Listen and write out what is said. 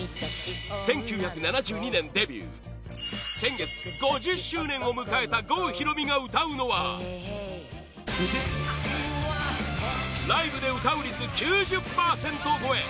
１９７２年デビュー先月５０周年を迎えた郷ひろみが歌うのはライブで歌う率９０％超え！